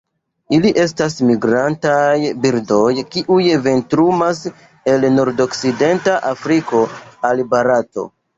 Ili estas migrantaj birdoj, kiuj vintrumas el nordokcidenta Afriko al Barato.